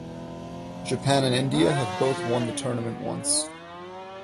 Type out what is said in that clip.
Japan and India have both won the tournament once.